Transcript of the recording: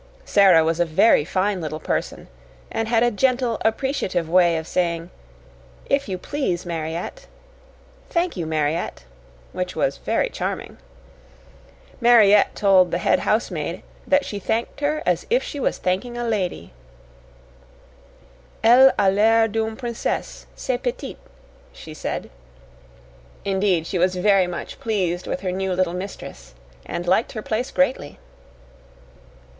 Sara was a very fine little person, and had a gentle, appreciative way of saying, "If you please, Mariette," "Thank you, Mariette," which was very charming. Mariette told the head housemaid that she thanked her as if she was thanking a lady. "Elle a l'air d'une princesse, cette petite," she said. Indeed, she was very much pleased with her new little mistress and liked her place greatly.